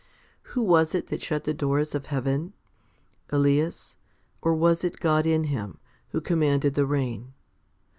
1. WHO was it that shut the doors of heaven? Elias? or was it God in him, who commanded the rain